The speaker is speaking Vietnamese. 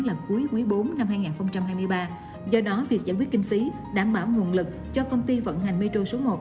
năm hai nghìn hai mươi ba do đó việc giải quyết kinh phí đảm bảo nguồn lực cho công ty vận hành metro số một